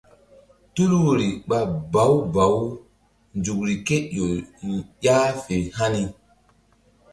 Tul woyri ɓa bawu bawu nzukri ké ƴo ƴah fe hani.